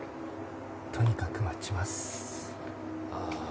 とにかく待ちますああ